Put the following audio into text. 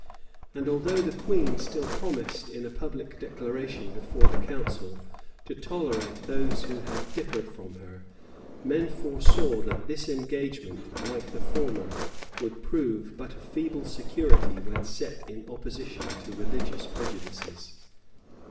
And though the queen still promised in a public declaration before the council, to tolerate those who differed from her; men foresaw that this engagement, like the former, would prove but a feeble security when set in opposition to religious prejudices.